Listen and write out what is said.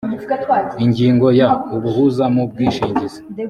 ingingo ya ubuhuza mu bwishingizi